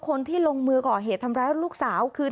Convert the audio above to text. คนที่ลงมือก่อเหตุทำร้ายลูกสาวคือ